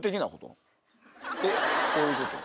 こういうこと？